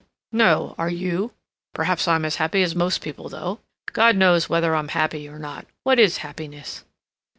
"No. Are you? Perhaps I'm as happy as most people, though. God knows whether I'm happy or not. What is happiness?"